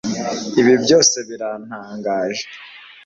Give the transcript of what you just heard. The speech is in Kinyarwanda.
Ibi byose birantangaje